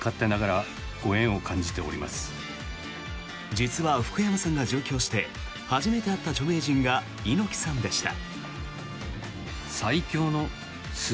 実は福山さんが上京して初めて会った著名人が猪木さんでした。